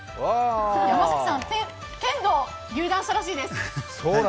山崎さん、剣道有段者らしいです。